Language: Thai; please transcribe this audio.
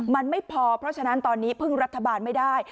มันไม่พอเพราะฉะนั้นตอนนี้พึ่งรัฐบาลไม่ได้